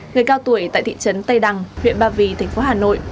người cao tuổi tại thị trấn tây đằng huyện ba vì tp hà nội